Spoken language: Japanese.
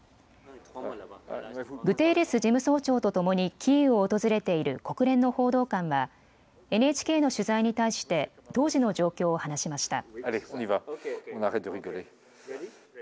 グテーレス事務総長とともにキーウを訪れている国連の報道官はＮＨＫの取材に対して当時の状況を話しました。